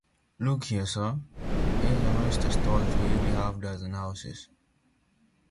Look here, sir; here’s an oyster-stall to every half-dozen houses.